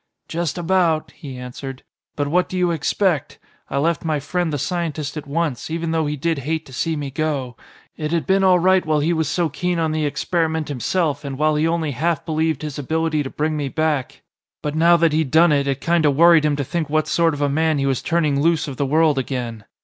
"Just about," he answered. "But what do you expect? I left my friend the scientist at once, even though he did hate to see me go. It had been all right while he was so keen on the experiment himself and while he only half believed his ability to bring me back. But now that he'd done it, it kinda worried him to think what sort of a man he was turning loose of the world again.